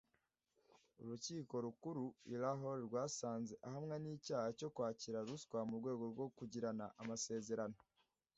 urukiko rukuru i Lahore rwasanze ahamwa n'icyaha cyo kwakira ruswa mu rwego rwo kugirana amasezerano